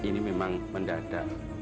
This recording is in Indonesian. tidak tidak tidak